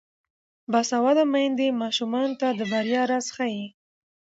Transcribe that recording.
باسواده میندې ماشومانو ته د بریا راز ښيي.